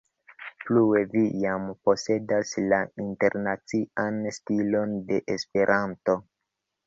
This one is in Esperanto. Plue vi jam posedas la internacian stilon de esperanto.